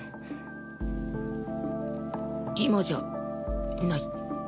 「今じゃない」。